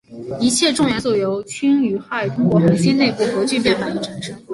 一切重元素由氢与氦通过恒星内部核聚变反应产生。